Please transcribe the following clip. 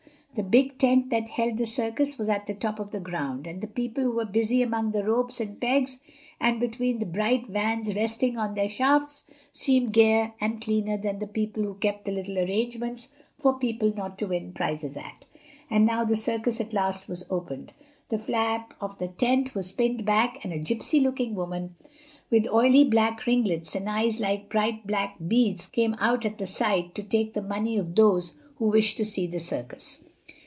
The big tent that held the circus was at the top of the ground, and the people who were busy among the ropes and pegs and between the bright vans resting on their shafts seemed gayer and cleaner than the people who kept the little arrangements for people not to win prizes at. And now the circus at last was opened; the flap of the tent was pinned back, and a gypsy looking woman, with oily black ringlets and eyes like bright black beads, came out at the side to take the money of those who wished to see the circus.